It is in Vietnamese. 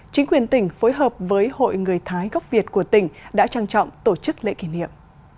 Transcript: chính quyền tỉnh phối hợp với hội người thái gốc việt của tỉnh đã trang trọng tổ chức lễ kỷ niệm